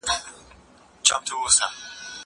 د مؤمنانو سره د الله تعالی د فضل بيان دی.